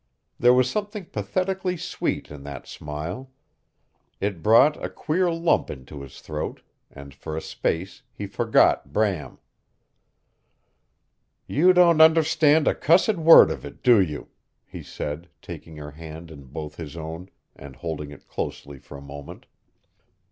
There was something pathetically sweet in that smile. It brought a queer lump into his throat, and for a space he forgot Bram. "You don't understand a cussed word of it, do you?" he said, taking her hand in both his own and holding it closely for a moment.